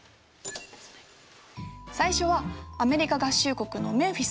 最初はアメリカ合衆国のメンフィス。